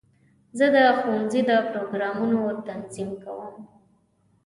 زه د ښوونځي د پروګرامونو تنظیم کوم.